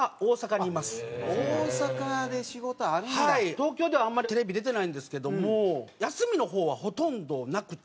東京ではあんまりテレビ出てないんですけども休みの方はほとんどなくて。